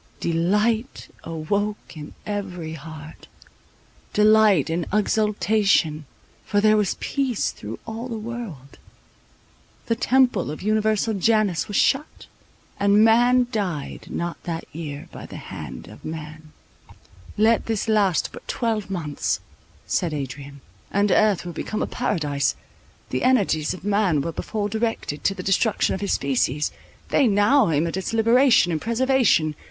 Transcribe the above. Delight awoke in every heart, delight and exultation; for there was peace through all the world; the temple of Universal Janus was shut, and man died not that year by the hand of man. "Let this last but twelve months," said Adrian; "and earth will become a Paradise. The energies of man were before directed to the destruction of his species: they now aim at its liberation and preservation.